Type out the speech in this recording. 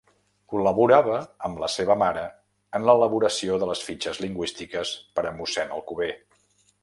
Col·laborava amb la seva mare en l'elaboració de les fitxes lingüístiques per a mossèn Alcover.